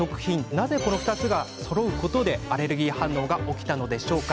なぜ、この２つがそろうことでアレルギー反応が起きたのでしょうか。